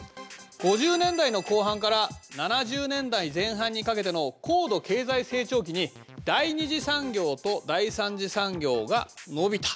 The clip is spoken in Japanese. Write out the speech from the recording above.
５０年代の後半から７０年代前半にかけての高度経済成長期に第２次産業と第３次産業が伸びた。